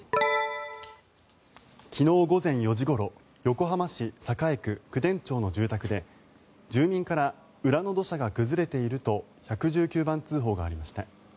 昨日午前４時ごろ横浜市栄区公田町の住宅で住民から裏の土砂が崩れていると１１９番通報がありました。